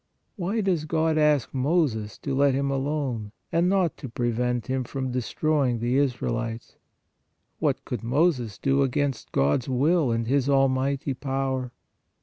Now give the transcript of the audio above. Why does God ask Moses to let Him alone and not to prevent Him from destroying the Israelites? What could Moses do against God s will and His almighty power?